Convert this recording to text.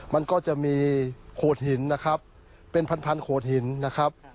มันก็จะมีโขดหินนะครับเป็นพันโขดหินนะครับ